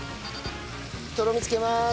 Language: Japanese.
とろみつけまーす。